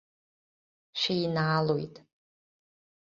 Шәеинаалоит!